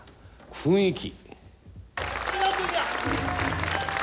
雰囲気。